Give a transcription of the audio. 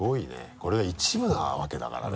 これが一部なわけだからね。